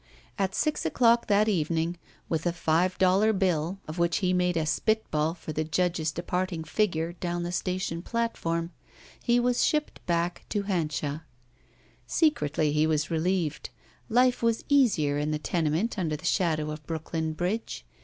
At six o'clock that evening, with a five dollar biU of which he made a spitball for the judge's departing figure down the station platform, he was shipped back to Hanscha. Secretly he was relieved. Life was easier in the tenement under the shadow of Brooklyn Bridge.